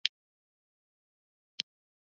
خو دفاع دلته ځان وژنه ده.